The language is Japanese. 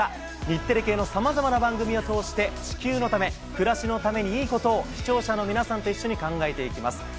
日テレ系のさまざまな番組を通して、地球のため、暮らしのために、いいことを、視聴者の皆さんと一緒に考えていきます。